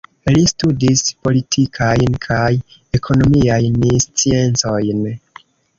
Li studis Politikajn kaj Ekonomiajn Sciencojn.